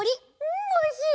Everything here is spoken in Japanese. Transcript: んおいしい！